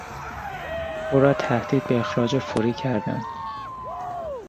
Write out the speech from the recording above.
او را تهدید به اخراج فوری کردند.